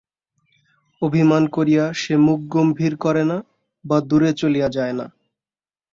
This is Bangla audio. অভিমান করিয়া সে মুখ গম্ভীর করে না বা দূরে চলিয়া যায় না।